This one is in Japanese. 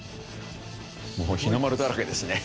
もう日の丸だらけですね。